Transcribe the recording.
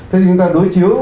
thế thì chúng ta đối chiếu